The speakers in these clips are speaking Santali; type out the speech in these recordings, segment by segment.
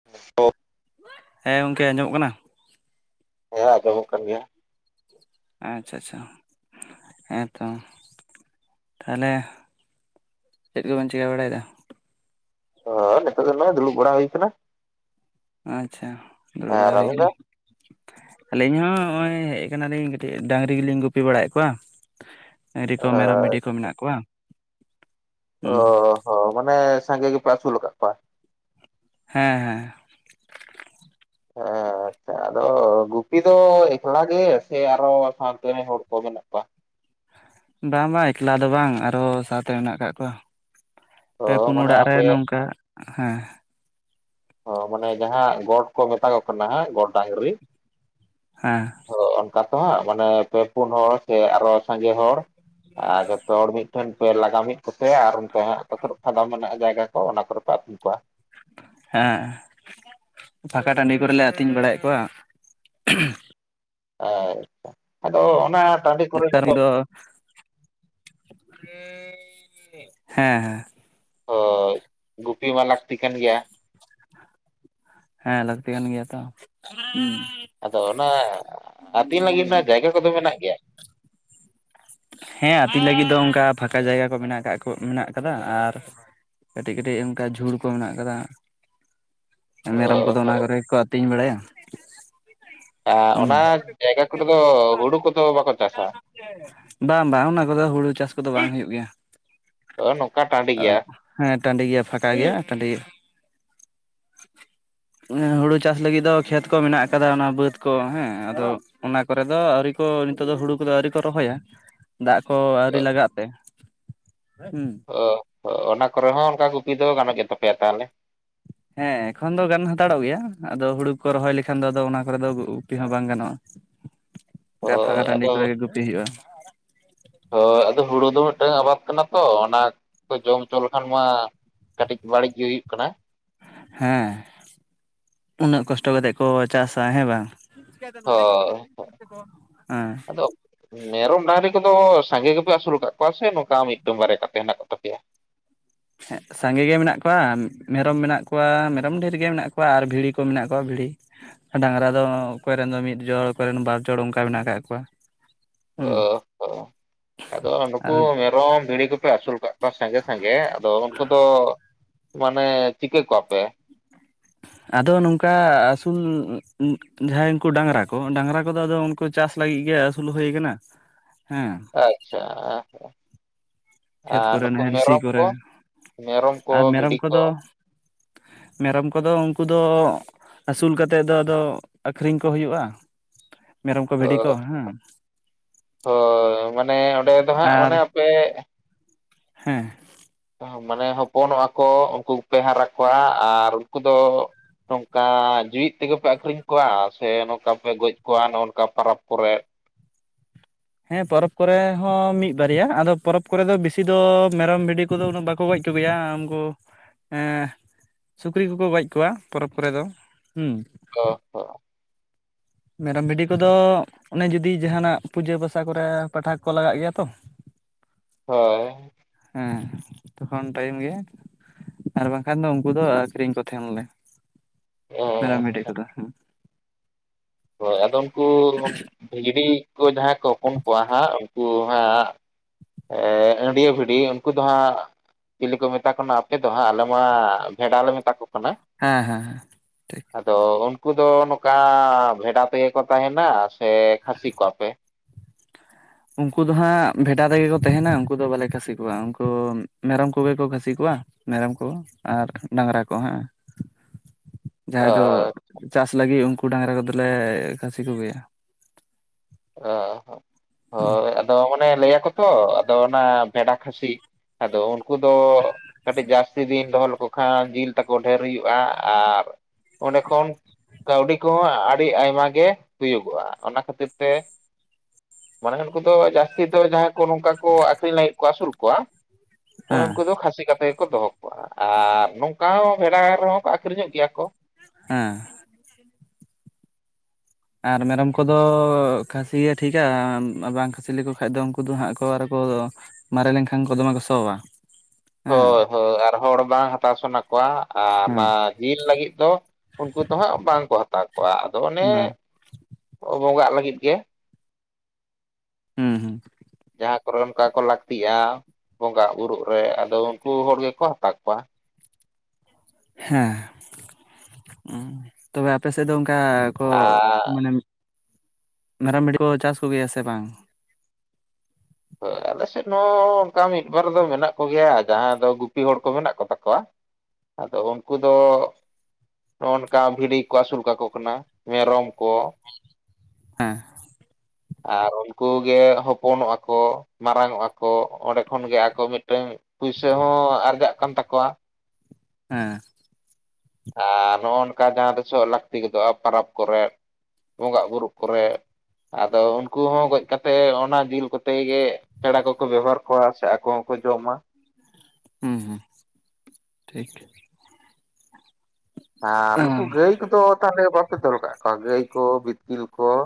[unintelligible] ᱦᱮᱸ ᱜᱚᱢᱠᱮ ᱟᱸᱡᱚᱢᱚᱜ ᱠᱟᱱᱟ? ᱦᱮᱸ ᱟᱸᱚᱢᱚᱜ ᱠᱟᱱ ᱜᱮᱭᱟ᱾ ᱟᱪᱪᱷᱟ ᱪᱪᱪᱷᱟ, ᱦᱮᱸ ᱛᱚ, ᱛᱟᱦᱚᱞᱮ ᱪᱮᱫ ᱠᱚᱵᱤᱱ ᱪᱤᱠᱟᱹ ᱵᱟᱲᱟᱭᱮᱫᱟ? ᱛᱚ ᱱᱤᱛᱚᱜ ᱫᱚ ᱫᱩᱲᱩᱵᱟ ᱵᱟᱲᱟ ᱦᱩᱭ ᱠᱟᱱᱟ᱾ ᱟᱪᱪᱷᱟ, ᱫᱩᱲᱩᱵ ᱟᱨ ᱵᱟᱲᱟ ᱦᱩᱭ ᱟᱵᱤᱱ ᱫᱚ? ᱟᱠᱟᱱᱟ᱾ ᱟᱹᱞᱤᱧ ᱦᱚᱸ ᱱᱚᱜᱼᱚᱭ ᱦᱮᱡ ᱟᱠᱟᱱᱟᱞᱤᱧ ᱠᱟᱹᱴᱤᱡ, ᱰᱟᱹᱟᱝᱨᱤ ᱜᱮᱞᱤᱧ ᱜᱩᱯᱤ ᱵᱟᱲᱟᱭᱮᱫ ᱠᱚᱣᱟ᱾ ᱰᱟᱝᱨᱤ ᱠᱚ ᱢᱮᱨᱚᱢ ᱵᱷᱤᱰᱤ ᱠᱚ ᱢᱮᱱᱟᱜ ᱠᱚᱣᱟ? ᱦᱩᱸ ᱚ ᱦᱚᱸ ᱢᱟᱱᱮ ᱥᱟᱸᱜᱮ ᱜᱮ ᱯᱮ ᱟᱥᱩᱞ ᱠᱟᱜ ᱠᱚᱣᱟ᱾ ᱦᱮᱸ ᱦᱮᱸ᱾ ᱦᱮᱸ ᱟᱫᱚ ᱜᱩᱯᱤ ᱫᱚ ᱮᱠᱞᱟ ᱜᱮ ᱥᱮ ᱟᱨᱚ ᱥᱟᱶᱛᱮ ᱨᱮᱱ ᱦᱚᱲ ᱠᱚ ᱢᱮᱱᱟᱜ ᱠᱚᱣᱟ? ᱵᱟᱝ ᱵᱟᱝ ᱮᱠᱞᱟ ᱫᱚ ᱵᱟᱝ, ᱟᱨᱚ ᱥᱟᱶᱛᱮ ᱢᱮᱱᱟᱜ ᱟᱠᱟᱫ ᱠᱚᱣᱟ᱾ ᱚ ᱯᱮ ᱯᱩᱱ ᱢᱟᱱᱮ ᱚᱲᱟᱜ ᱨᱮ ᱟᱯᱮ ᱱᱚᱝᱠᱟ ᱦᱮᱸ᱾ ᱚ ᱢᱟᱱᱮ ᱡᱟᱦᱟᱸ ᱜᱚᱴ ᱠᱚ ᱢᱮᱛᱟᱜᱟᱜ ᱠᱟᱱᱟ, ᱜᱚᱴ ᱰᱟᱝᱨᱤ᱾ ᱦᱮᱸ᱾ ᱚᱱᱠᱟ ᱛᱚ ᱦᱟᱸᱜ, ᱢᱟᱱᱮ ᱯᱮ ᱯᱩᱱ ᱦᱚᱲ ᱥᱮ ᱟᱨᱚ ᱥᱟᱸᱜᱮ ᱦᱚᱲ, ᱟᱨ ᱡᱚᱛᱚ ᱦᱚᱲ ᱢᱤᱫ ᱴᱷᱮᱱ ᱯᱮ ᱞᱟᱜᱟᱢᱮᱫ ᱠᱚᱯᱮ ᱟᱨ ᱚᱱᱛᱮ ᱦᱟᱸᱜ ᱚᱠᱟᱛ ᱯᱷᱟᱫᱟ ᱢᱮᱱᱟᱜᱼᱟ ᱡᱟᱭᱜᱟ ᱠᱚ ᱚᱱᱟ ᱠᱚᱨᱮ ᱯᱮ ᱟᱹᱯᱩᱞ ᱠᱚᱣᱟ᱾ ᱦᱮᱸ, ᱯᱷᱟᱸᱠᱟ ᱴᱟᱺᱰᱤ ᱠᱚᱨᱮᱞᱮ ᱟᱹᱛᱤᱧ ᱵᱟᱲᱟᱭᱮᱫ ᱠᱚᱣᱟ᱾ ᱟᱪᱪᱷᱟ ᱟᱫᱚ ᱚᱱᱟ ᱴᱟᱺᱰᱤ ᱠᱚᱨᱮ ᱱᱮᱛᱟᱨ ᱡᱚᱛᱚ ᱫᱚ ᱦᱮᱸ ᱦᱮᱸ ᱚ ᱜᱩᱯᱤ ᱢᱟ ᱞᱟᱹᱠᱛᱤ ᱠᱟᱱ ᱜᱮᱭᱟ᱾ ᱦᱮᱸ ᱞᱟᱹᱠᱛᱤ ᱠᱟᱱ ᱜᱮᱭᱟ ᱛᱚ᱾ ᱟᱫᱚ ᱚᱱᱟ ᱟᱹᱛᱤᱧ ᱞᱟᱹᱜᱤᱫ ᱨᱮᱱᱟᱜ ᱡᱟᱭᱜᱟ ᱠᱚᱫᱚ ᱢᱮᱱᱟᱜ ᱜᱮᱭᱟ᱾ ᱦᱮᱸ ᱟᱹᱛᱤ ᱞᱟᱹᱜᱤᱫ ᱫᱚ ᱚᱱᱠᱟ ᱯᱷᱟᱸᱠᱟ ᱡᱟᱭᱜᱟ ᱠᱚ ᱢᱮᱱᱟᱜ ᱟᱠᱟᱟᱜ ᱠᱚ ᱢᱮᱱᱟᱜ ᱟᱠᱟᱫᱟ, ᱟᱨ ᱠᱟᱹᱴᱤᱡ ᱠᱟᱹᱴᱤᱡ ᱚᱱᱠᱟ ᱡᱷᱩᱲ ᱠᱚ ᱢᱮᱱᱟᱜ ᱟᱠᱟᱫᱟ᱾ ᱚ ᱢᱮᱨᱚᱢ ᱠᱚᱫᱚ ᱦᱚ, ᱚᱱᱟ ᱠᱚᱨᱮ ᱜᱮ ᱠᱚ ᱟᱹᱛᱤᱧ ᱵᱟᱲᱟᱭᱟ᱾ ᱮ ᱚᱱᱟ ᱦᱩᱸ ᱡᱟᱭᱜᱟ ᱠᱚᱨ ᱫᱚ ᱦᱩᱲᱩ ᱠᱚᱫᱚ ᱵᱟᱠᱚ ᱪᱟᱥᱟ? ᱵᱟᱝ ᱵᱟᱝ ᱚᱱᱟ ᱠᱚᱫᱚ ᱦᱩᱲᱩ ᱪᱟᱥ ᱠᱚᱫᱚ ᱵᱟᱝ ᱦᱩᱭᱩᱜ ᱜᱮᱭᱟ᱾ ᱦ ᱱᱚᱝᱠᱟ ᱴᱟᱺᱰᱤ ᱜᱮᱭᱟ᱾ ᱦᱮᱸ ᱴᱟᱺᱰᱤ ᱜᱮᱭᱟ ᱯᱷᱟᱸᱠᱟ ᱜᱮᱭᱟ ᱴᱟᱺᱰᱤ ᱜᱮᱭᱟ᱾ [unintelligible] ᱦᱩᱲᱩ ᱪᱟᱥ ᱞᱟᱹᱜᱤᱫ ᱫᱚ ᱠᱷᱮᱛ ᱠᱚ ᱢᱮᱱᱟᱜ ᱟᱠᱟᱫᱟ ᱚᱱᱟ ᱵᱟᱹᱫᱽ ᱠᱚ ᱦᱮᱸ ᱟᱫᱚ ᱚᱱᱟ ᱠᱚᱨᱮ ᱫᱚ ᱟᱹᱣᱨᱤ ᱠᱚ ᱱᱤᱛᱚᱜ ᱫᱚ ᱦᱩᱲᱩ ᱠᱚᱫᱚ ᱟᱹᱣᱨᱤ ᱠᱚ ᱨᱚᱦᱚᱭᱟ᱾ ᱫᱟᱜ ᱠᱚ ᱟᱹᱣᱨᱤ ᱞᱟᱜᱟᱜ ᱛᱮ ᱦᱩᱸ ᱾ ᱚ ᱚᱱᱟ ᱠᱚᱨᱮ ᱦᱚᱸ ᱚᱱᱠᱟ ᱜᱩᱯᱤ ᱫᱚ ᱜᱟᱱᱚᱜ ᱜᱮᱛᱟᱯᱮᱭᱟ ᱛᱟᱦᱚᱞᱮ᱾ ᱦᱮᱸ ᱮᱠᱷᱚᱱ ᱫᱚ ᱜᱟᱱ ᱦᱟᱛᱟᱲᱚᱜ ᱜᱮᱭᱟ ᱟᱫᱚ ᱦᱩᱲᱩ ᱠᱚ ᱨᱚᱦᱚᱭ ᱞᱮᱠᱷᱟᱱ ᱫᱚ ᱚᱱᱟ ᱠᱚᱨᱮ ᱫᱚ ᱜᱩᱯᱤ ᱦᱚᱸ ᱵᱟᱝ ᱜᱟᱱᱚᱜᱼᱟ᱾ [unintelligible] ᱜᱟ ᱯᱷᱟᱠᱟ ᱴᱟᱺᱰᱤ ᱟᱫᱚ ᱠᱚᱨᱮ ᱜᱮ ᱜᱩᱯᱤ ᱦᱩᱭᱩᱜᱼᱟ᱾ ᱦᱳᱭ ᱟᱫᱚ ᱦᱩᱲᱩ ᱫᱚ ᱢᱤᱫᱴᱟᱝ ᱟᱵᱟᱫ ᱠᱟᱱᱟ ᱛᱚ ᱚᱱᱟ ᱠᱚ ᱡᱚᱢ ᱦᱚᱪᱚ ᱞᱮᱠᱷᱟᱱ ᱢᱟ᱾ ᱠᱟᱹᱴᱤᱡ ᱵᱟᱹᱲᱤᱡ ᱜᱮ ᱦᱩᱭᱩᱜ ᱠᱟᱱᱟ᱾ ᱦᱮᱸ ᱩᱱᱟᱹᱜ ᱠᱚᱥᱴᱚ ᱠᱟᱛᱮᱜ ᱠᱚ ᱪᱟᱥᱟ ᱦᱮᱸ ᱵᱟᱝ᱾ [inaudible] ᱦᱳᱭ ᱦᱮᱸ ᱟᱫᱚ ᱢᱮᱨᱚᱢ ᱰᱟᱹᱝᱨᱤ ᱠᱚᱫᱚ ᱥᱟᱸᱜᱮ ᱜᱮᱯᱮ ᱟᱹᱥᱩᱞ ᱟᱠᱟᱫ ᱠᱚᱣᱟ ᱥᱮ ᱱᱚᱝᱠᱟ ᱢᱤᱫᱴᱟᱝ ᱵᱟᱨᱭᱟ ᱠᱟᱛᱮ ᱦᱮᱱᱟᱜ ᱠᱚ ᱛᱟᱯᱮᱭᱟ᱾ ᱥᱟᱸᱜᱮ ᱜᱮ ᱢᱮᱱᱟᱜ ᱠᱚᱣᱟ, ᱢᱮᱨᱚᱢ ᱠᱚᱣᱟ, ᱢᱮᱨᱚᱢ ᱰᱷᱮᱨ ᱜᱮ ᱢᱮᱱᱟᱜ ᱠᱚᱣᱟ ᱟᱨ ᱵᱷᱤᱲᱤ ᱠᱚ ᱢᱮᱱᱟᱜ ᱠᱚᱣᱟ ᱵᱷᱤᱲᱤ᱾ ᱰᱟᱝᱨᱟ ᱫᱚ ᱚᱠᱚᱭ ᱨᱮᱱ ᱫᱚ ᱢᱤᱫ ᱡᱚᱲ, ᱚᱠᱚᱭ ᱨᱮᱱ ᱵᱟᱨ ᱡᱚᱲ ᱚᱱᱠᱟ ᱢᱮᱱᱟᱜ ᱟᱠᱟᱜ ᱠᱚᱣᱟ᱾ ᱚ ᱦᱩᱸ ᱟᱫᱚ ᱱᱩᱠᱩ ᱟᱨ ᱢᱮᱨᱚᱢ ᱵᱷᱤᱲᱤ ᱠᱚ᱾ ᱯᱮ ᱟᱹᱥᱩᱞ ᱠᱟᱫ ᱠᱚᱣᱟ ᱥᱟᱸᱜᱮ ᱥᱟᱸᱜᱮ ᱟᱫᱚ ᱩᱱᱠᱩ ᱫᱚ ᱢᱟᱱᱮ ᱪᱤᱠᱟᱹ ᱠᱚᱣᱟᱯᱮ᱾ ᱟᱫᱚ ᱱᱚᱝᱠᱟ ᱟᱹᱥᱩᱞ ᱡᱟᱦᱟᱸᱭ ᱩᱱᱠᱩ ᱰᱟᱝᱨᱟ ᱠᱚ᱾ ᱰᱟᱝᱨᱟ ᱠᱚᱫᱚ ᱟᱫᱚ ᱠᱚ ᱪᱟᱥ ᱞᱟᱹᱜᱤᱫ ᱜᱮ ᱟᱹᱥᱩᱞ ᱦᱩᱭ ᱟᱠᱟᱱᱟ ᱦᱮᱸ᱾ ᱟᱪᱪᱷᱟ᱾ ᱠᱷᱮᱛ ᱟᱨ ᱠᱚᱨᱮ ᱱᱩᱠᱩ ᱱᱟᱦᱮᱞ ᱥᱤ ᱢᱮᱨᱚᱢ ᱠᱚ, ᱠᱚᱨᱮ ᱢᱮᱨᱚᱢ ᱠᱚ ᱟᱨ ᱢᱮᱨᱚᱢ ᱵᱷᱤᱰᱤ ᱠᱚ? ᱠᱚᱫᱚ ᱢᱮᱨᱚᱢ ᱠᱚᱫᱚ ᱩᱱᱠᱩ ᱫᱚ ᱟᱹᱥᱩᱞ ᱠᱟᱛᱮᱫ ᱫᱚ ᱟᱫᱚ ᱟᱹᱠᱷᱨᱤᱧ ᱠᱚ ᱦᱩᱭᱩᱜᱼᱟ᱾ ᱢᱮᱨᱚᱢ ᱠᱚ ᱵᱷᱤᱰᱤ ᱚᱦ ᱠᱚ ᱦᱮᱸ ᱦᱚ ᱢᱟᱱᱮ ᱚᱸᱰᱮ ᱫᱚ ᱦᱟᱸᱜ ᱟᱨ ᱢᱟᱱᱮ ᱟᱯᱮ ᱦᱮᱸ᱾ ᱢᱟᱱᱮ ᱦᱚᱯᱚᱱᱚᱜᱼᱟ ᱠᱚ, ᱩᱱᱠᱩ ᱠᱚᱯᱮ ᱦᱟᱨᱟ ᱠᱚᱣᱟ ᱟᱨ ᱩᱱᱠᱩ ᱫᱚ ᱱᱚᱝᱠᱟ ᱡᱮᱣᱮᱫ ᱛᱮᱜᱮ ᱯᱮ ᱟᱠᱷᱨᱤᱧ ᱠᱚᱣᱟ, ᱥᱮ ᱱᱚᱝᱠᱟ ᱯᱮ ᱜᱚᱡ ᱠᱚᱣᱟ, ᱱᱚᱝᱠᱟ ᱯᱟᱨᱟᱵᱽ ᱠᱚᱨᱮ᱾ ᱦᱮᱸ ᱯᱚᱨᱚᱵᱽ ᱠᱚᱨᱮ ᱦᱚᱸ ᱢᱤᱫ ᱵᱟᱨᱭᱟ᱾ ᱟᱫᱚ ᱯᱚᱨᱚᱵᱽ ᱠᱚᱨᱮ ᱫᱚ ᱵᱮᱥᱤ ᱫᱚ ᱢᱮᱨᱚᱢ ᱵᱷᱤᱰᱤ ᱩᱱᱠᱩ ᱫᱚ ᱩᱱᱟᱹᱜ ᱵᱟᱠᱚ ᱜᱚᱡ ᱠᱚ ᱜᱮᱭᱟ ᱩᱱᱠᱩ ᱮᱸ ᱥᱩᱠᱨᱤ ᱠᱚᱠᱚ ᱜᱚᱡ ᱠᱚᱣᱟ ᱯᱚᱨᱚᱵᱽ ᱠᱚᱨᱮ ᱫᱚ᱾ᱦᱩᱸ᱾ ᱚ ᱦᱚ᱾ ᱢᱮᱨᱚᱢ, ᱵᱷᱤᱰᱤ ᱠᱚᱫᱚ ᱚᱱᱮ ᱡᱩᱫᱤ ᱡᱟᱦᱟᱱᱟᱜ ᱯᱩᱡᱟᱹ ᱵᱟᱥᱟ ᱠᱚᱨᱮ ᱯᱟᱴᱷᱟ ᱠᱚᱠᱚ ᱞᱟᱜᱟᱜ ᱜᱮᱭᱟ ᱛᱚ᱾ ᱦᱚ᱾ [unintelligible] ᱦᱮᱸ ᱛᱚᱠᱷᱚᱱ ᱴᱟᱭᱤᱢ ᱜᱮ᱾ ᱟᱨ ᱵᱟᱝᱠᱷᱟᱱ ᱫᱚ ᱩᱱᱠᱩ ᱫᱚ ᱟᱠᱷᱨᱤᱧ ᱠᱚ ᱛᱟᱦᱮᱱᱟ ᱞᱮ ᱢᱮᱨᱚᱢ ᱟᱪᱪᱷᱟ᱾ ᱵᱷᱤᱰᱤ ᱠᱚᱫᱚ ᱦᱮᱸ᱾ ᱦᱳᱭ ᱟᱫᱚ ᱩᱱᱠᱩ ᱵᱷᱤᱜᱲᱤ ᱠᱚ ᱡᱟᱦᱟᱸᱭ ᱠᱚ ᱦᱚᱯᱚᱱ ᱠᱚᱣᱟ ᱦᱟᱸᱜ ᱩᱱᱠᱩ ᱦᱟᱸᱜ ᱮ ᱟᱹᱰᱤᱭᱟᱹ ᱵᱷᱤᱰᱤ ᱩᱱᱠᱩ ᱫᱚ ᱦᱟᱸᱜ ᱪᱤᱞᱤ ᱠᱚ ᱢᱮᱛᱟ ᱠᱚ ᱠᱟᱱᱟ ᱟᱯᱮ ᱫᱚ ᱦᱟᱸᱜ? ᱟᱞᱮ ᱢᱟ ᱵᱷᱮᱰᱟ ᱞᱮ ᱢᱮᱛᱟ ᱠᱚ ᱠᱟᱱᱟ᱾ ᱦᱮᱸ ᱦᱮᱸ ᱦᱮᱸ᱾ ᱴᱷᱤᱠ ᱟᱫᱚ ᱩᱱᱠᱩ ᱫᱚ ᱱᱚᱠᱟ ᱵᱷᱮᱰᱟ ᱛᱮᱜᱮ ᱠᱚ ᱛᱟᱦᱮᱱᱟ, ᱥᱮ ᱠᱷᱟᱹᱥᱤ ᱠᱚᱣᱟ ᱯᱮ? ᱩᱱᱠᱩ ᱫᱚ ᱦᱟᱸᱜ ᱵᱷᱮᱰᱟ ᱛᱮᱜᱮ ᱠᱚ ᱛᱟᱦᱮᱱᱟ᱾ ᱩᱱᱠᱩ ᱵᱟᱞᱮ ᱠᱷᱟᱹᱥᱤ ᱠᱚᱣᱟ, ᱩᱱᱠᱩ ᱢᱮᱨᱚᱢ ᱠᱚᱜᱮ ᱠᱚ ᱠᱷᱟᱹᱥᱤ ᱠᱚᱣᱟ᱾ ᱢᱮᱨᱚᱢ ᱠᱚ ᱟᱨ ᱰᱟᱝᱨᱟ ᱠᱚ ᱦᱮᱸ᱾ [inaudible] ᱡᱟᱦᱟᱸᱭ ᱫᱚ ᱪᱟᱥ ᱞᱟᱹᱜᱤᱫ ᱩᱱᱠᱩ ᱰᱟᱝᱨᱟ ᱠᱚᱫᱚᱞᱮ ᱠᱷᱟᱹᱥᱤ ᱠᱚ ᱜᱮᱭᱟ᱾ ᱚ ᱦᱚ᱾ ᱦᱳᱭ ᱟᱫᱚ ᱢᱟᱱᱮ ᱞᱟᱹᱭᱟᱠᱚ ᱛᱚ ᱟᱫᱚ ᱚᱱᱟ ᱵᱷᱮᱰᱟ ᱠᱷᱟᱹᱥᱤ᱾ ᱟᱫᱚ ᱩᱱᱠᱩ ᱫᱚ ᱠᱟᱹᱴᱤᱡ ᱡᱟᱹᱥᱛᱤ ᱫᱤᱱ ᱫᱚᱦᱚ ᱞᱮᱠᱚ ᱠᱷᱟᱱ ᱡᱤᱞ ᱛᱟᱠᱚ ᱰᱷᱮᱨ ᱦᱩᱭᱩᱜᱼᱟ ᱟᱨ ᱚᱸᱰᱮ ᱠᱷᱚᱱ ᱠᱟᱹᱣᱰᱤ ᱠᱚᱦᱚᱸ ᱟᱹᱰᱤ ᱟᱭᱢᱟ ᱜᱮ ᱦᱩᱭᱩᱜᱚᱜᱼᱟ᱾ ᱚᱱᱟ ᱠᱷᱟᱹᱛᱤᱨ ᱛᱮ᱾ ᱢᱟᱱᱮ ᱠᱩᱱᱠᱩ ᱫᱚ ᱡᱟᱹᱥᱛᱤ ᱫᱚ ᱡᱟᱦᱟᱸᱭ ᱠᱚ ᱱᱚᱝᱠᱟ ᱠᱚ ᱟᱹᱠᱷᱨᱤᱧ ᱞᱟᱹᱜᱤᱫ ᱠᱚ ᱟᱹᱥᱩᱞ ᱠᱚᱣᱟ ᱦᱮᱸ ᱩᱱ-ᱩᱱᱠᱩ ᱫᱚ ᱠᱷᱟᱹᱥᱤ ᱠᱟᱛᱮ ᱜᱮᱠᱚ ᱫᱚᱦᱚ ᱟᱨ ᱱᱚᱝᱠᱟ ᱦᱚᱸ ᱵᱷᱮᱰᱟ ᱨᱮᱦᱚᱸ ᱠᱚ ᱟᱠᱷᱨᱤᱧᱚᱜ ᱜᱮᱭᱟ ᱠᱚ᱾ ᱦᱮᱸ᱾ ᱟᱨ ᱢᱮᱨᱚᱢ ᱠᱚᱫᱚ ᱠᱷᱟᱹᱥᱤ ᱜᱮ ᱴᱷᱤᱠᱟ ᱵᱟᱝ ᱠᱷᱟᱹᱥᱤ ᱞᱮᱠᱚ ᱠᱷᱟᱱ ᱫᱚ ᱩᱱᱠᱩ ᱫᱚ ᱦᱟᱸᱜ ᱠᱚ ᱟᱨᱚᱠᱚ ᱢᱟᱨᱮ ᱞᱮᱱᱠᱷᱟᱱ ᱠᱚ ᱫᱚᱢᱮ ᱠᱚ ᱥᱚᱣᱟ᱾ ᱦᱮᱸ ᱦᱳᱭ ᱦᱳᱭ ᱟᱨ ᱦᱚᱲ ᱵᱟᱝ ᱦᱟᱛᱟᱣ ᱥᱟᱱᱟ ᱠᱚᱣᱟ ᱟᱨ ᱢᱟ ᱦᱮᱸ ᱡᱤᱞ ᱞᱟᱹᱜᱤᱫ ᱫᱚ ᱩᱱᱠᱩ ᱫᱚ ᱦᱟᱸᱜ ᱵᱟᱝᱠᱚ ᱦᱟᱛᱟᱣ ᱠᱚᱣᱟ᱾ ᱟᱫᱚ ᱚᱱᱮ ᱵᱟᱝ ᱵᱚᱸᱜᱟᱜ ᱞᱟᱹᱜᱤᱫ ᱜᱮ᱾ ᱦᱮᱸ ᱦᱮᱸ᱾ ᱡᱟᱦᱟᱸ ᱠᱚᱨᱮ ᱚᱱᱠᱟ ᱠᱚ ᱞᱟᱹᱠᱛᱤᱜᱼᱟ ᱵᱚᱸᱜᱟ ᱵᱩᱨᱩᱜ ᱨᱮ ᱟᱫᱚ ᱩᱱᱠᱩ ᱦᱚᱲ ᱜᱮᱠᱚ ᱦᱟᱛᱟᱣ ᱠᱚᱣᱟ᱾ ᱦᱮᱸ ᱚ ᱾ ᱛᱚᱵᱮ ᱟᱯᱮᱥᱮᱫ ᱫᱚ ᱚᱱᱠᱟ ᱠᱚ ᱟᱨ ᱢᱟᱱᱮ ᱢᱮᱨᱚᱢ ᱵᱷᱤᱰᱤ ᱠᱚ ᱪᱟᱥ ᱠᱚᱜᱮᱭᱟ ᱥᱮ ᱵᱟᱝ? ᱦᱳᱭ ᱟᱞᱮ ᱥᱮᱫ ᱦᱚᱸ ᱚᱱᱠᱟ ᱢᱤᱫ ᱵᱟᱨ ᱫᱚ ᱢᱮᱱᱟᱜ ᱠᱚᱜᱮᱭᱟ ᱡᱟᱦᱟᱸᱭ ᱫᱚ ᱜᱩᱯᱤ ᱦᱚᱲ ᱠᱚ ᱢᱮᱱᱟᱜ ᱠᱚᱛᱟ ᱠᱚᱣᱟ ᱾ ᱟᱫᱚ ᱩᱱᱠᱩ ᱫᱚ ᱚᱱᱠᱟ ᱵᱷᱤᱰᱤ ᱠᱚ ᱟᱹᱥᱩᱞ ᱠᱟᱠᱚ ᱠᱟᱱᱟ ᱢᱮᱨᱚᱢ ᱠᱚ ᱾ ᱦᱮᱸ᱾ ᱟᱨ ᱩᱱᱠᱩ ᱜᱮ ᱦᱚᱯᱚᱱᱚᱜᱼᱟ ᱠᱚ ᱢᱟᱨᱟᱝ ᱚᱜ ᱟᱠᱚ ᱚᱸᱰᱮ ᱠᱷᱚᱱ ᱜᱮ ᱟᱠᱚ ᱢᱤᱫᱴᱟᱝ ᱯᱩᱭᱥᱟᱹ ᱦᱚᱸ ᱟᱨᱡᱟᱜ ᱠᱟᱱ ᱛᱟᱠᱚᱣᱟ ᱾ ᱦᱮᱸ ᱾ ᱟᱨ ᱱᱚᱜᱼᱚ ᱱᱚᱝᱠᱟ ᱡᱟᱸᱦᱟ ᱫᱚᱥᱚᱜ ᱞᱟᱹᱠᱛᱤ ᱜᱚᱫᱚᱜᱼᱟ ᱯᱚᱨᱟᱵ ᱠᱚᱨᱮᱜ ᱵᱚᱸᱜᱟ ᱵᱩᱨᱩ ᱠᱚᱨᱮᱜ ᱾ ᱟᱫᱚ ᱩᱱᱠᱩ ᱦᱚᱸ ᱜᱚᱡ ᱠᱟᱛᱮᱜ ᱚᱱᱟ ᱡᱤᱞ ᱠᱚᱛᱮ ᱜᱮ ᱾ ᱯᱮᱲᱟ ᱠᱚᱠᱚ ᱵᱮᱵᱚᱦᱟᱨ ᱠᱚᱣᱟ ᱥᱮ ᱟᱠᱚ ᱦᱚᱸᱠᱚ ᱡᱚᱢᱟ ᱾ ᱦᱩᱸ ᱦᱮᱸ ᱴᱷᱤᱠ ᱾ ᱟᱨ ᱱᱩᱠᱩ ᱜᱟᱹᱭ ᱠᱚᱫᱚ ᱛᱟᱞᱮ ᱵᱟᱯᱮ ᱛᱚᱞ ᱠᱟᱜ ᱠᱚᱣᱟ ᱜᱟᱹᱭ ᱠᱚ ᱵᱤᱛᱠᱤᱞ ᱠᱚ ᱾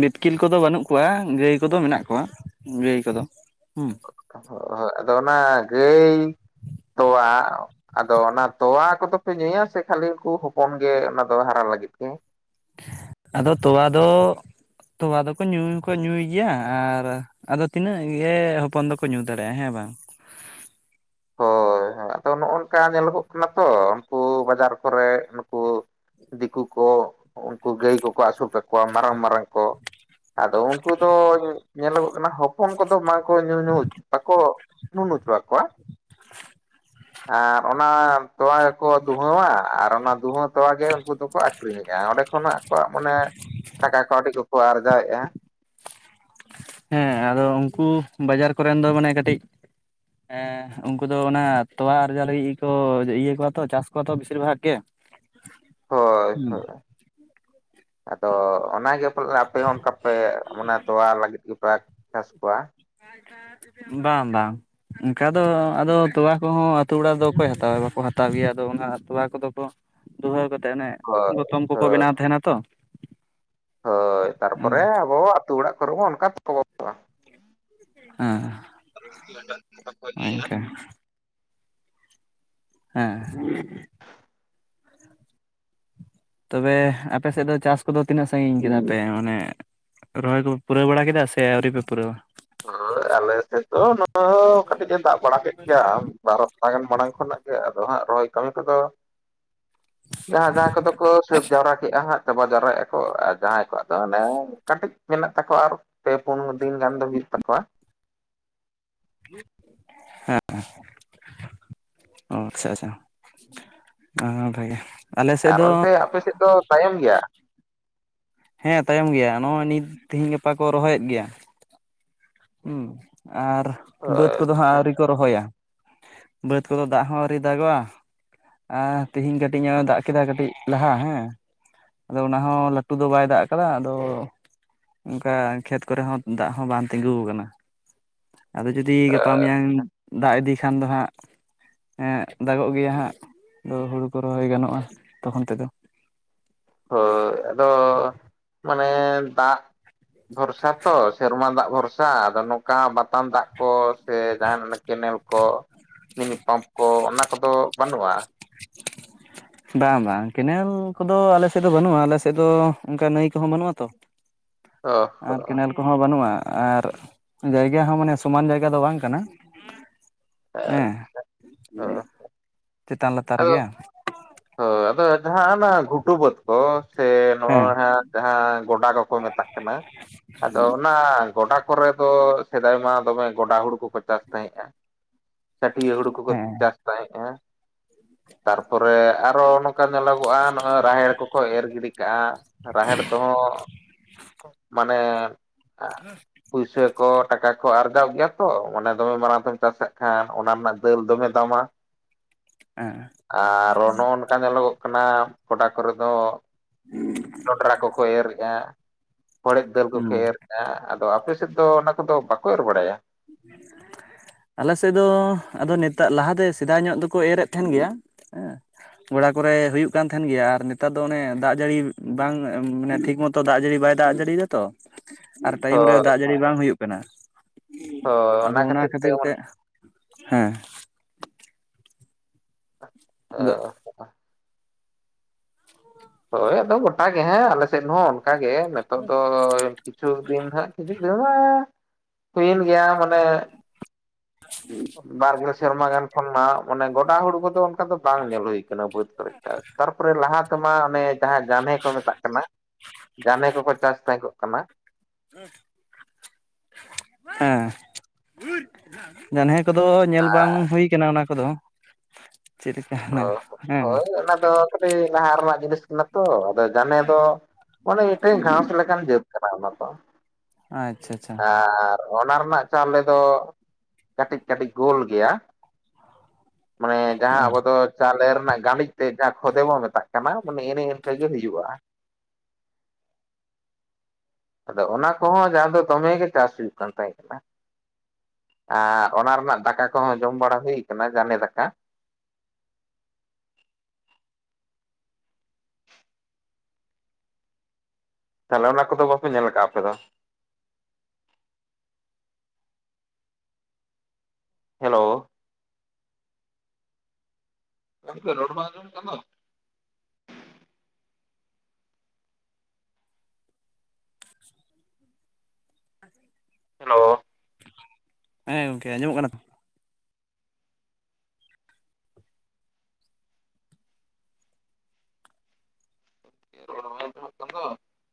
ᱵᱤᱛᱠᱤᱞ ᱠᱚᱫᱚ ᱵᱟᱹᱱᱩᱜ ᱠᱚᱣᱟ ᱜᱟᱹᱭ ᱠᱚᱫᱚ ᱢᱮᱱᱟᱜ ᱠᱚᱣᱟ ᱾ ᱜᱟᱹᱭ ᱠᱚᱫᱚ ᱦᱩᱸ᱾ [inaudible] ᱦᱚᱜ ᱟᱫᱚ ᱚᱱᱟ ᱜᱟᱹᱭ ᱛᱚᱣᱟ ᱟᱫᱚ ᱚᱱᱟ ᱛᱚᱣᱟ ᱠᱚᱫᱚᱯᱮ ᱧᱩᱭᱟ ᱥᱮ ᱠᱷᱟᱹᱞᱤ ᱦᱩᱠᱩ ᱦᱚᱯᱚᱱ ᱜᱮ ᱚᱱᱟ ᱫᱚ ᱦᱟᱨᱟ ᱞᱟᱹᱜᱤᱫ ᱜᱮ ᱾ [inaudible] ᱟᱫᱚ ᱛᱚᱣᱟ ᱫᱚ ᱛᱚᱣᱟ ᱫᱚᱠᱚ ᱠᱚ ᱧᱩᱭ ᱦᱚᱠᱚ ᱧᱩᱭ ᱜᱮᱭᱟ ᱾ᱟᱨ ᱟᱫᱚ ᱛᱤᱱᱟᱹᱜ ᱜᱮ ᱦᱚᱯᱚᱱ ᱫᱚᱠᱚ ᱧᱩ ᱫᱟᱲᱮᱜᱼᱟ ᱦᱮᱸ ᱵᱟᱝ ᱾ ᱦᱳᱭ ᱦᱳᱭ ᱟᱫᱚ ᱱᱚᱜ ᱚᱝᱠᱟ ᱧᱮᱞᱚᱜᱚᱜ ᱠᱟᱱᱟ ᱛᱚ ᱩᱱᱠᱩ ᱵᱟᱡᱟᱨ ᱠᱚᱨᱮ ᱱᱩᱠᱩ ᱫᱤᱠᱩ ᱠᱚ ᱩᱱᱠᱩ ᱜᱟᱹᱭ ᱠᱚᱠᱚ ᱟᱹᱥᱩᱞ ᱠᱟᱠᱚᱣᱟ ᱢᱟᱨᱟᱝ ᱢᱟᱨᱟᱝ ᱠᱚ ᱾ ᱟᱫᱚ ᱩᱱᱠᱩ ᱫᱚ ᱧᱮᱞᱚᱜᱚᱜ ᱠᱟᱱᱟ ᱦᱚᱯᱚᱱ ᱠᱚᱫᱚ [unintelligible] ᱠᱚ ᱧᱩ ᱧᱩᱜ ᱵᱟᱠᱚ ᱱᱩᱱᱩ ᱪᱩᱣᱟ ᱠᱚᱣᱟ ᱾ ᱟ ᱚᱱᱟ ᱛᱚᱣᱟ ᱜᱮᱠᱚ ᱫᱩᱦᱟᱹᱣᱟ ᱟᱨ ᱚᱱᱟ ᱫᱩᱦᱟᱹᱣ ᱛᱚᱣᱟ ᱜᱮ ᱩᱱᱠᱩ ᱫᱚᱠᱚ ᱟᱠᱷᱨᱤᱧᱮᱜᱼᱟ ᱚᱸᱰᱮ ᱠᱷᱚᱱᱟᱜ ᱟᱠᱚᱣᱟᱜ ᱢᱟᱱᱮ ᱴᱟᱠᱟ ᱠᱟᱹᱣᱰᱤ ᱠᱚᱠᱚ ᱟᱨᱡᱟᱣᱮᱜᱼᱟ ᱾ ᱦᱮᱸ ᱟᱫᱚ ᱩᱱᱠᱩ ᱵᱟᱡᱟᱨ ᱠᱚᱨᱮᱱ ᱫᱚ ᱢᱟᱱᱮ ᱠᱟᱹᱴᱤᱡ ᱾ ᱦᱮᱸ ᱩᱱᱠᱩ ᱫᱚ ᱚᱱᱟ ᱛᱚᱣᱟ ᱟᱨᱡᱟᱣ ᱞᱟᱹᱜᱤᱫ ᱜᱮᱠᱚ ᱤᱭᱟᱹ ᱠᱚᱣᱟ ᱛᱚ ᱪᱟᱥ ᱠᱚᱣᱟ ᱛᱚ ᱵᱮᱥᱤᱨ ᱵᱷᱟᱜᱽ ᱜᱮ ᱾ [inaudible] ᱦᱩᱸ ᱾ ᱦᱳᱭ ᱟᱫᱚ ᱚᱱᱟᱜᱮ ᱯᱟᱞᱮ ᱟᱯᱮ ᱦᱚᱸ ᱚᱱᱠᱟ ᱯᱮ ᱢᱟᱱᱮ ᱛᱚᱣᱟ ᱞᱟᱹᱜᱤᱫ ᱜᱮᱯᱮ ᱪᱟᱥ ᱠᱚᱣᱟ ᱾ ᱵᱟᱝ ᱵᱟᱝ ᱾ ᱩᱝᱠᱟ ᱫᱚ ᱟᱫᱚ ᱛᱚᱣᱟ ᱠᱚᱦᱚᱸ ᱟᱹᱛᱩ ᱚᱲᱟᱜ ᱨᱮᱫᱚ ᱚᱠᱚᱭ ᱦᱟᱛᱟᱣᱟ ᱵᱟᱠᱚ ᱦᱟᱛᱟᱣ ᱜᱮᱭᱟ ᱟᱫᱚ ᱚᱱᱟ ᱛᱚᱣᱟ ᱠᱚᱫᱚ ᱠᱚ ᱫᱩᱦᱟᱹᱣ ᱠᱟᱛᱮᱫ ᱚᱱᱮ ᱦᱳᱭ ᱜᱚᱛᱚᱢ ᱠᱚᱠᱚ ᱦᱳᱭ ᱵᱮᱱᱟᱣ ᱛᱟᱦᱮᱱᱟ ᱛᱚ ᱾ ᱦᱳᱭ ᱛᱟᱨᱯᱚᱨᱮ ᱟᱵᱚ ᱟᱛᱳ ᱚᱲᱟᱜ ᱠᱚᱨᱮ ᱦᱚᱸ ᱚᱝᱠᱟ [inaudible] ᱦᱮᱸ ᱾ [unintelligible] ᱦᱮᱸ [inaudible] ᱛᱚᱵᱮ ᱟᱯᱮ ᱥᱮᱜ ᱫᱚ ᱪᱟᱥ ᱠᱚᱫᱚ ᱛᱤᱱᱚᱜ ᱥᱟᱺᱜᱤᱧ ᱠᱮᱫᱟ ᱯᱮ ᱚᱱᱮ ᱨᱚᱦᱚᱭ ᱠᱚᱯᱮ ᱯᱩᱨᱟᱹᱣ ᱵᱟᱲᱟ ᱠᱮᱫᱟ ᱥᱮ ᱟᱹᱣᱨᱤ ᱯᱮ ᱯᱩᱨᱟᱹᱣᱟ? ᱦᱳᱭ ᱟᱞᱮ ᱥᱮᱫ ᱫᱚ [inaudible] ᱠᱟᱹᱴᱤᱜ ᱮ ᱫᱟᱜ ᱵᱟᱲᱟ ᱠᱮᱫ ᱜᱮᱭᱟ ᱟᱢ ᱵᱟᱨᱚ ᱾ ᱛᱟᱭᱚᱢ ᱢᱟᱲᱟᱝ ᱠᱷᱚᱱᱟᱜ ᱜᱮ ᱟᱫᱚ ᱦᱟᱸᱜ ᱨᱚᱦᱚᱭ ᱠᱟᱹᱢᱤ ᱠᱚᱫᱚ ᱡᱟᱦᱟᱸ ᱡᱟᱦᱟᱸ ᱠᱚᱫᱚ ᱠᱚ ᱥᱟᱹᱛ ᱡᱟᱣᱨᱟ ᱠᱮᱜᱼᱟ ᱦᱟᱸᱜ ᱾ ᱪᱟᱵᱟ ᱡᱟᱣᱨᱟ ᱮᱜ-ᱟᱠᱚ ᱟᱨ ᱡᱟᱦᱟᱸᱭ ᱠᱚᱣᱟᱜ ᱫᱚ ᱦᱟᱱᱮ ᱠᱟᱹᱴᱤᱜ ᱢᱮᱱᱟᱜ ᱛᱟᱠᱚᱣᱟ ᱟᱨ ᱯᱮ ᱯᱳᱱ ᱫᱤᱱ ᱜᱟᱱ ᱫᱚ ᱦᱩᱭᱩᱜ ᱛᱟᱠᱚᱣᱟ ᱾ [unintelligible] ᱚ ᱟᱪᱪᱷᱟ ᱟᱪᱪᱷᱟ ᱚᱸ ᱵᱷᱟᱜᱮ ᱟᱞᱮ ᱥᱮᱫ ᱟᱨ ᱫᱚ ᱚᱱᱛᱮ ᱟᱯᱮ ᱥᱮᱫ ᱫᱚ ᱛᱟᱭᱚᱢ ᱜᱮᱭᱟ? ᱦᱮᱸ ᱛᱟᱭᱚᱢ ᱜᱮᱭᱟ ᱱᱚᱜᱼᱚᱭ ᱱᱤᱛ ᱛᱮᱦᱮᱧ ᱜᱟᱯᱟ ᱠᱚ ᱨᱚᱦᱚᱭᱮᱫ ᱜᱮᱭᱟ᱾ ᱩᱸ ᱟᱨ ᱵᱟᱹᱫ ᱦᱳᱭ ᱠᱚᱫᱚ ᱦᱟᱸᱜ ᱟᱪᱪᱷᱟ ᱟᱹᱣᱨᱤ ᱠᱚ ᱨᱚᱦᱚᱭ-ᱟ ᱾ ᱵᱟᱹᱫ ᱠᱚᱫᱚ ᱫᱟᱜ ᱦᱚᱸ ᱟᱣᱨᱤ ᱫᱟᱜᱚᱜᱼᱟ᱾ ᱟ ᱛᱮᱦᱮᱧ ᱠᱟᱹᱴᱤᱜ ᱧᱚᱜ ᱮ ᱫᱟᱜ ᱠᱮᱫᱟ ᱠᱟᱹᱴᱤᱜ ᱞᱟᱦᱟ ᱦᱮᱸ᱾ ᱟᱫᱚ ᱚᱱᱟ ᱦᱚᱸ ᱞᱟᱹᱴᱩ ᱫᱚ ᱵᱟᱭ ᱫᱟᱜ ᱠᱟᱫᱟ ᱟᱫᱚ ᱚᱝᱠᱟ ᱠᱷᱮᱛ ᱠᱚᱨᱮ ᱦᱚᱸ ᱫᱟᱜ ᱦᱚᱸ ᱵᱟᱝ ᱛᱤᱸᱜᱩ ᱠᱟᱱᱟ ᱟᱫᱚ ᱡᱩᱫᱤ ᱜᱟᱯᱟ ᱢᱤᱭᱟᱝ ᱫᱟᱜ ᱤᱫᱤ ᱠᱷᱟᱱ ᱫᱚ ᱦᱟᱸᱜ ᱦᱮ ᱫᱟᱜᱚᱜ ᱜᱮᱭᱟ ᱦᱟᱸᱜ ᱟᱫᱚ ᱦᱩᱲᱩ ᱠᱚ ᱨᱚᱦᱚᱭ ᱜᱟᱱᱚᱜᱼᱟ ᱛᱚᱠᱷᱚᱱ ᱛᱮᱫᱚ ᱾ ᱦᱳᱭ ᱟᱫᱚ ᱢᱟᱱᱮ ᱫᱟᱜ ᱵᱷᱚᱨᱥᱟ ᱛᱚ ᱥᱮᱨᱢᱟ ᱫᱟᱜ ᱵᱷᱚᱨᱥᱟ ᱟᱫᱚ ᱱᱚᱝᱠᱟ ᱵᱟᱛᱟᱱ ᱫᱟᱜ ᱠᱚ ᱥᱮ ᱡᱟᱦᱟᱱ ᱚᱱᱮ ᱠᱮᱱᱮᱞ ᱠᱚ ᱢᱤᱱᱤ ᱯᱟᱢᱯ ᱠᱚ ᱚᱱᱟ ᱠᱚᱫᱚ ᱵᱟᱹᱱᱩᱜᱼᱟ? [inaudible] ᱵᱟᱝ ᱵᱟᱝ ᱠᱮᱱᱮᱞ ᱠᱚᱫᱚ ᱟᱞᱮ ᱥᱮᱫ ᱫᱚ ᱵᱟᱱᱩᱜᱼᱟ ᱟᱞᱮ ᱥᱮᱫ ᱫᱚ ᱚᱝᱠᱟ ᱱᱟᱹᱭ ᱠᱚᱦᱚᱸ ᱵᱟᱱᱩᱜᱼᱟ ᱛᱚ᱾ ᱚ ᱦᱚ ᱟᱨ ᱠᱮᱱᱮᱞ ᱠᱚᱦᱚᱸ ᱵᱟᱱᱩᱜᱼᱟ ᱟᱨ ᱡᱟᱭᱜᱟ ᱦᱚᱸ ᱢᱟᱱᱮ ᱥᱚᱢᱟᱱ ᱡᱟᱭᱜᱟ ᱫᱚ ᱵᱟᱝ ᱠᱟᱱᱟ᱾ ᱦᱳᱭ ᱮᱸ [inaudible] ᱪᱮᱛᱟᱱ ᱞᱟᱛᱟᱨ ᱟᱫᱚ ᱜᱮᱭᱟ᱾ ᱦᱳᱭ ᱟᱫᱚ ᱡᱟᱦᱟᱸ ᱱᱟᱜ ᱜᱷᱩᱴᱩ ᱵᱟᱹᱫ ᱠᱚ ᱥᱮ ᱦᱮᱸ ᱱᱚᱜᱚᱭ ᱦᱟᱸᱜ ᱡᱟᱦᱟᱸ ᱜᱚᱰᱟ ᱠᱚᱠᱚ ᱢᱮᱛᱟᱜ ᱠᱟᱱᱟ ᱟᱫᱚ ᱚᱱᱟ ᱜᱚᱰᱟ ᱠᱚᱨᱮ ᱫᱚ ᱥᱮᱫᱟᱭ ᱢᱟ ᱫᱚᱢᱮ ᱜᱚᱰᱟ ᱦᱩᱲᱩ ᱠᱚᱠᱚ ᱪᱟᱥ ᱛᱟᱦᱮᱸᱜᱼᱟ, ᱪᱷᱟᱹᱴᱤᱭᱟᱹ ᱦᱩᱲᱩ ᱠᱩᱠᱚ ᱦᱮᱸ ᱪᱟᱥ ᱛᱟᱦᱮᱸᱜ-ᱟ ᱛᱟᱨᱯᱚᱨᱮ ᱟᱨᱚ ᱱᱩ ᱱᱚᱝᱠᱟ ᱧᱮᱞᱚᱜᱚᱜᱼᱟ ᱱᱚᱜᱼᱚᱭ ᱨᱟᱦᱮᱲ ᱠᱚᱠᱚ ᱮᱨ ᱜᱤᱰᱤ ᱠᱟᱜᱼᱟ, ᱨᱟᱦᱮᱲ ᱛᱮᱦᱚᱸ ᱢᱟᱱᱮ ᱟᱸ ᱯᱩᱭᱥᱟᱹ ᱠᱚ ᱴᱟᱠᱟ ᱠᱚ ᱟᱨᱡᱟᱣ ᱜᱮᱭᱟ ᱛᱚ ᱚᱱᱮ ᱫᱚ ᱢᱟᱲᱟᱝ ᱛᱮᱢ ᱪᱟᱥ ᱠᱟᱜ ᱠᱷᱟᱱ ᱚᱱᱟ ᱨᱮᱱᱟᱜ ᱫᱟᱹᱞ ᱫᱚᱢᱮ ᱫᱟᱢᱟ᱾ ᱦᱮᱸ ᱟᱨ ᱚᱱᱚ ᱚᱱᱠᱟ ᱧᱮᱞᱚᱜᱚᱜ ᱠᱟᱱᱟ ᱜᱚᱰᱟ ᱠᱚᱨᱮ ᱫᱚ ᱡᱚᱱᱰᱨᱟ ᱠᱚᱠᱚ ᱮᱨᱮᱜ-ᱟᱜ ᱦᱚᱲᱮᱫᱜ ᱫᱟᱹᱞ ᱠᱚᱠᱚ ᱦᱩᱸ ᱮᱨ ᱦᱟᱜᱸ ᱟᱫᱚ ᱟᱯᱮ ᱥᱮᱫ ᱫᱚ ᱚᱱᱟ ᱠᱚᱫᱚ ᱵᱟᱠᱚ ᱮᱨ ᱵᱟᱲᱟᱭᱟ? [unintelligible] ᱟᱞᱮ ᱥᱮᱜ ᱫᱚ ᱟᱫᱚ ᱱᱮᱛᱟ ᱞᱟᱦᱟᱛᱮ ᱥᱮᱫᱟᱭ ᱧᱚᱜ ᱫᱚᱠᱚ ᱮᱨᱮᱫ ᱛᱟᱦᱮᱱ ᱜᱮᱭᱟ᱾ ᱛᱦᱚᱲᱟ ᱠᱚᱨᱮ ᱦᱩᱭᱩᱜ ᱠᱟᱱ ᱛᱟᱦᱮᱱ ᱜᱮᱭᱟ ᱟᱨ ᱱᱮᱛᱟᱨ ᱫᱚ ᱚᱱᱮ ᱫᱟᱜ ᱡᱟᱹᱲᱤ ᱵᱟᱝ ᱢᱟᱱᱮ ᱴᱷᱤᱠ ᱢᱚᱛ ᱛᱚ ᱫᱟᱜ ᱡᱟᱹᱲᱤ ᱵᱟᱭ ᱫᱟᱜ ᱡᱟᱹᱲᱤᱭ ᱫᱟ ᱛᱚ ᱟᱨ ᱴᱟᱭᱤᱢ ᱨᱮ ᱦᱳᱭ ᱫᱟᱜ ᱡᱟᱹᱲᱤ ᱵᱟᱝ ᱦᱩᱭᱩᱜ ᱠᱟᱱᱟ᱾ ᱦᱳᱭ ᱟᱫᱚ ᱚᱱᱟ ᱠᱷᱟᱹᱛᱤᱨ ᱠᱷᱟᱛᱤᱨ ᱛᱮ ᱚᱱ- [inaudible] ᱦᱮᱸ ᱾ ᱟᱫᱚ [unintelligible] [unintelligible] ᱦᱳᱭ ᱟᱫᱚ ᱜᱚᱴᱟ ᱜᱮ ᱦᱮᱸ ᱟᱞᱮ ᱥᱮᱜ ᱦᱚᱸ ᱚᱱᱠᱟᱜ ᱜᱮ ᱱᱮᱛᱚᱜ ᱫᱚ ᱠᱤᱪᱷᱩ ᱫᱤᱱ ᱦᱟᱸᱜ ᱠᱤᱪᱷᱩ ᱫᱤᱱ ᱢᱟ ᱦᱩᱭᱮᱱ ᱜᱮᱭᱟ ᱢᱟᱱᱮ [unintelligible] ᱵᱟᱨᱜᱮᱞ ᱥᱮᱨᱢᱟ ᱜᱟᱱ ᱠᱷᱚᱱ ᱢᱟ ᱚᱱᱮ ᱜᱚᱰᱟ ᱦᱚᱲᱢᱚ ᱠᱚᱫᱚ- ᱱᱮᱛᱟᱨ ᱫᱚ ᱵᱟᱝ ᱧᱮᱞ ᱦᱩᱭ ᱟᱠᱟᱱᱟ ᱵᱟᱹᱫᱽ ᱠᱚᱨᱮ ᱛᱟᱨᱯᱚᱨᱮ ᱞᱟᱦᱟ ᱛᱮᱢᱟ ᱚᱱᱮ- ᱡᱟᱦᱟᱸ ᱡᱟᱱᱦᱮ ᱠᱚ ᱢᱮᱛᱟᱜ ᱠᱟᱱᱟ ᱡᱟᱢᱮ ᱠᱚᱠᱚ ᱪᱟᱥ ᱛᱟᱦᱮᱸ ᱠᱚᱜ ᱠᱟᱱᱟ᱾ ᱦᱮᱸ᱾ ᱡᱟᱱᱦᱮ ᱠᱚᱫᱚ ᱧᱮᱞ ᱵᱟᱝ ᱦᱩᱭ ᱠᱟᱱᱟ ᱚᱱᱟ ᱠᱚᱫᱚ? ᱪᱮᱫ ᱞᱮᱠᱟ ᱚ ᱦᱮᱱᱟᱜ ᱦᱮᱸ ᱦᱳᱭ ᱚᱱᱟ ᱫᱚ ᱠᱟᱹᱴᱤᱡ ᱞᱟᱦᱟ ᱨᱮᱱᱟᱜ ᱡᱤᱱᱤᱥ ᱠᱟᱱᱟ ᱛᱚ ᱟᱫᱚ ᱡᱟᱱᱮ ᱫᱚ ᱢᱟᱱᱮ ᱢᱤᱫᱴᱮᱱ ᱜᱷᱟᱥ ᱞᱮᱠᱟᱱ ᱡᱟᱹᱛ ᱾ ᱠᱟᱱᱟ ᱚᱱᱟ ᱫᱚ ᱟᱪᱪᱷᱟ ᱪᱷᱟ᱾ ᱚᱱᱟ ᱚᱱᱟ ᱨᱮᱱᱟᱜ ᱪᱟᱣᱞᱮ ᱫᱚ ᱠᱟᱹᱴᱤᱡ ᱠᱟᱹᱴᱤᱡ ᱜᱳᱞ ᱜᱮᱭᱟ᱾ ᱢᱟᱱᱮ ᱡᱟᱦᱟᱸ ᱚ ᱟᱵᱚ ᱫᱚ ᱪᱟᱣᱞᱮ ᱨᱮᱱᱟᱜ ᱜᱟᱸᱰᱤᱡ ᱛᱮ ᱡᱟᱦᱟᱸ ᱠᱷᱚᱫᱮ ᱵᱚᱱ ᱢᱮᱛᱟᱜ ᱠᱟᱱᱟ ᱢᱟᱱᱮ ᱮᱱᱮ ᱤᱱᱠᱟᱹ ᱜᱮ ᱦᱩᱭᱩᱜ-ᱟ᱾ ᱟᱫᱚ ᱚᱱᱟ ᱠᱚᱦᱚᱸ ᱡᱟᱦᱟᱸ ᱫᱚ ᱫᱚᱢᱮᱜ ᱜᱮ ᱪᱟᱥ ᱦᱩᱭᱩᱜ ᱠᱟᱱ ᱛᱟᱦᱮᱸ ᱠᱟᱱᱟ᱾ ᱟᱨ ᱚᱱᱟ ᱨᱮᱱᱟᱜ ᱫᱟᱠᱟ ᱠᱚᱦᱚᱸ ᱡᱚᱢ ᱵᱟᱲᱟ ᱦᱩᱭ ᱟᱠᱟᱱᱟ ᱜᱟᱱᱮ ᱫᱟᱠᱟ᱾ ᱛᱟᱦᱚᱞᱮ ᱚᱱᱟ ᱠᱚᱫᱚ ᱵᱟᱯᱮ ᱧᱮᱞ ᱟᱠᱟᱫ-ᱟ ᱟᱯᱮ ᱫᱚ? ᱦᱮᱞᱳ ᱜᱚᱝᱠᱮ ᱨᱚᱲ ᱵᱟᱝ ᱟᱸᱡᱚᱢᱚᱜ ᱠᱟᱱ ᱫᱚ? [inaudible] ᱦᱮᱞᱳ᱾ ᱦᱮᱸ ᱜᱚᱝᱠᱮ ᱟᱸᱡᱚᱢᱚᱜ ᱠᱟᱱᱟ ᱛᱚ? ᱨᱚᱲ ᱵᱟᱝ ᱟᱡᱚᱢᱚᱜ ᱠᱟᱱ ᱫᱚ?